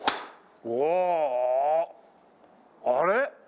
あれ？